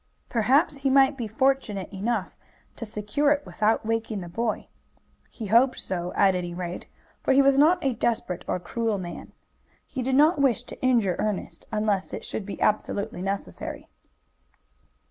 Perhaps he might be fortunate enough to secure it without waking the boy. He hoped so, at any rate, for he was not a desperate or cruel man. He did not wish to injure Ernest unless it should be absolutely necessary.